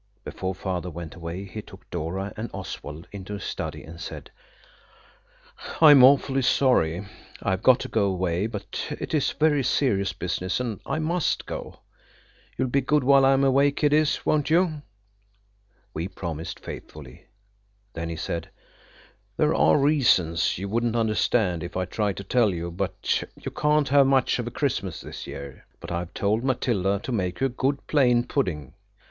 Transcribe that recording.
Before Father went away he took Dora and Oswald into his study, and said– "I'm awfully sorry I've got to go away, but it is very serious business, and I must go. You'll be good while I'm away, kiddies, won't you?" We promised faithfully. Then he said– "There are reasons–you wouldn't understand if I tried to tell you–but you can't have much of a Christmas this year. But I've told Matilda to make you a good plain pudding.